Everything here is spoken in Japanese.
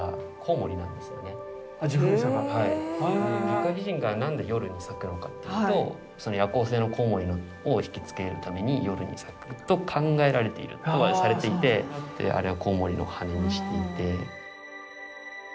月下美人が何で夜に咲くのかっていうと夜行性のコウモリをひきつけるために夜に咲くと考えられているとされていてであれはコウモリの羽にしていて。